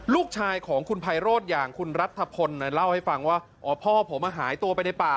ลูกชายของคุณไพโรธอย่างคุณรัฐพลเล่าให้ฟังว่าอ๋อพ่อผมหายตัวไปในป่า